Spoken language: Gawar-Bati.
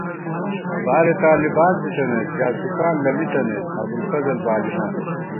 فارے طالِبان ژِتنئیت، جاسُوسان لَمی تنئیت، ابوالفضل بالِمان